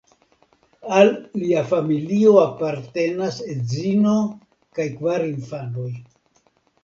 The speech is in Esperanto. Al lia familio apartenas edzino kaj kvar infanoj.